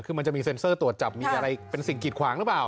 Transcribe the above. คือมันจะมีเซ็นเซอร์ตรวจจับมีอะไรเป็นสิ่งกิดขวางหรือเปล่า